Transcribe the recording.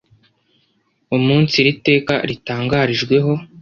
umunsi iri teka ritangarijweho